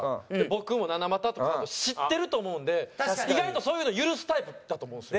僕も７股とか知ってると思うんで意外とそういうの許すタイプだと思うんですよ。